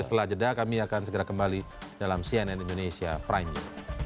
setelah jeda kami akan segera kembali dalam cnn indonesia prime news